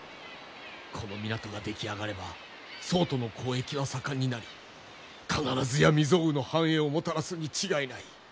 この港が出来上がれば宋との交易は盛んになり必ずや未曽有の繁栄をもたらすに違いない。